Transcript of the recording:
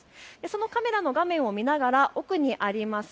そのカメラの画面を見ながら奥にあります